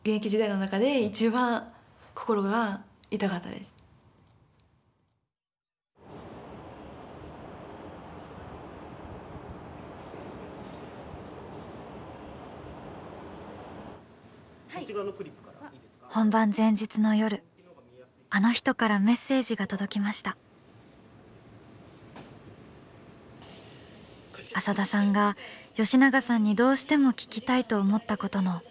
浅田さんが吉永さんにどうしても聞きたいと思ったことの答えです。